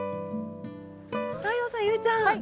太陽さん裕ちゃん